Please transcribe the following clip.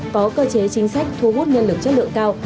có cơ chế chính sách thu hút nhân lực chất lượng cao